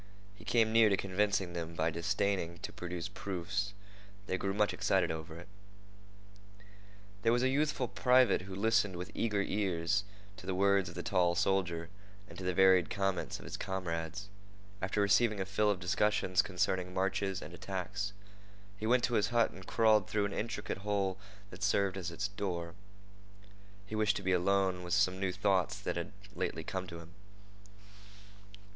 He came near to convincing them by disdaining to produce proofs. They grew much excited over it. There was a youthful private who listened with eager ears to the words of the tall soldier and to the varied comments of his comrades. After receiving a fill of discussions concerning marches and attacks, he went to his hut and crawled through an intricate hole that served it as a door. He wished to be alone with some new thoughts that had lately come to him.